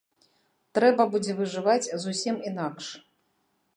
Трэба будзе выжываць зусім інакш.